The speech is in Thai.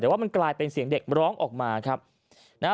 แต่ว่ามันกลายเป็นเสียงเด็กร้องออกมาครับนะฮะ